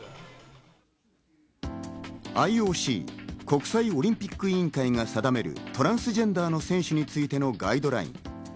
ＩＯＣ＝国際オリンピック委員会が定めるトランスジェンダーの選手に関するガイドライン。